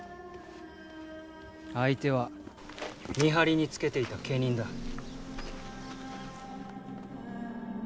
相手は見張りにつけていた家人だ。